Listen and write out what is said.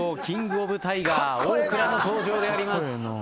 キングオブタイガー大倉の登場であります。